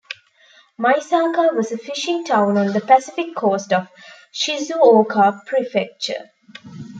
Maisaka was a fishing town on the Pacific coast of Shizuoka Prefecture.